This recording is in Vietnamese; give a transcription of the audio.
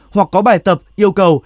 hoặc có bài tập yêu cầu